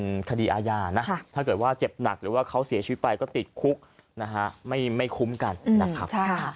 เป็นคดีอาญานะถ้าเกิดว่าเจ็บหนักหรือว่าเขาเสียชีวิตไปก็ติดคุกนะฮะไม่คุ้มกันนะครับ